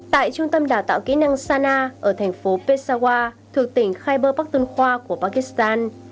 tại trung tâm đào tạo kỹ năng sana ở thành phố peshawar thược tỉnh khyber pakhtunkhwa của pakistan